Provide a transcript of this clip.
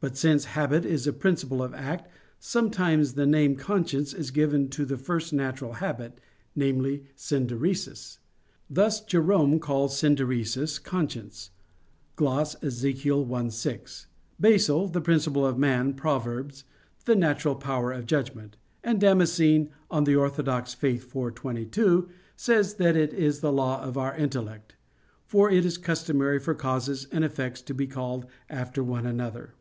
But since habit is a principle of act, sometimes the name conscience is given to the first natural habit namely, "synderesis": thus Jerome calls "synderesis" conscience (Gloss. Ezech. 1:6); Basil [*Hom. in princ. Proverb.], the "natural power of judgment," and Damascene [*De Fide Orth. iv. 22] says that it is the "law of our intellect." For it is customary for causes and effects to be called after one another.